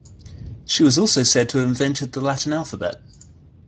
She was also said to have invented the Latin alphabet.